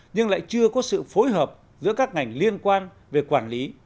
nhưng lại chưa có sự phối hợp giữa các ngành liên quan về quản lý